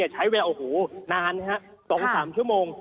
ใช้เวลานาน๒๓ชั่วโมง